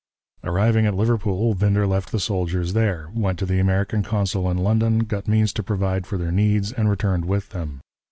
Arriving at Liverpool, Winder left the soldiers there, went to the American consul in London, got means to provide for their needs, and returned with them.